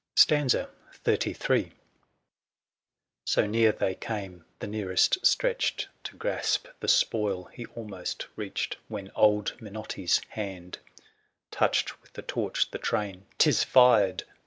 965 XXXIII. So near they came, the nearest stretched To grasp the spoil he almost reached, When old Miootti's hand Touched with the torch the train — 'Tis fired!